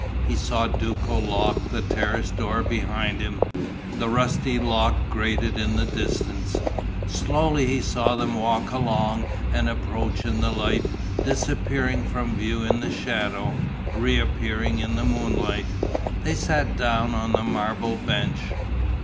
He saw Duco lock the terrace door behind him: the rusty lock grated in the distance. Slowly he saw them walk along and approach in the light, disappearing from view in the shadow, reappearing in the moonlight. They sat down on the marble bench....